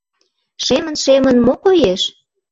Шемын-шемын мо коеш?